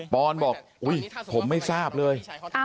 ออนบอกอุ๊ยผมไม่ทราบเลย